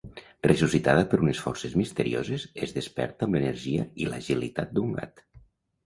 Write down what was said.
Ressuscitada per unes forces misterioses, es desperta amb l'energia i l'agilitat d'un gat.